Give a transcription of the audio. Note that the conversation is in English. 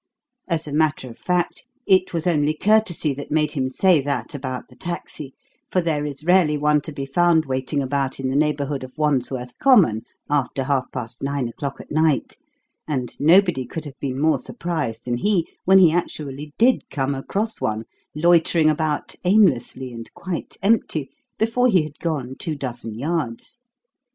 As a matter of fact, it was only courtesy that made him say that about the taxi, for there is rarely one to be found waiting about in the neighbourhood of Wandsworth Common after half past nine o'clock at night, and nobody could have been more surprised than he when he actually did come across one, loitering about aimlessly and quite empty, before he had gone two dozen yards.